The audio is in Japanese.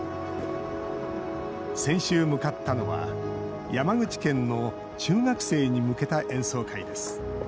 先週、向かったのは山口県の中学生に向けた演奏会です